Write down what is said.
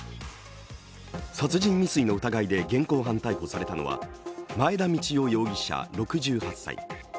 殺人未遂の疑いで現行犯逮捕されたのは前田道夫容疑者６８歳。